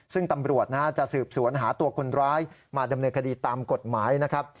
ซึ่งตำรวจจะสืบสวนหาตัวคนร้ายมาดำเนินคดีตามกฎหมายนะครับ